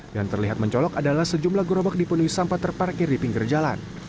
yang terlihat mencolok adalah sejumlah gerobak dipenuhi sampah terparkir di pinggir jalan